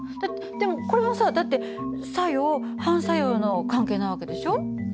でもこれもさだって作用・反作用の関係な訳でしょ？